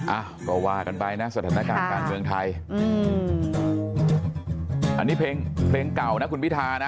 อ่ะก็ว่ากันไปนะสถานการณ์การเมืองไทยอืมอันนี้เพลงเพลงเก่านะคุณพิธานะ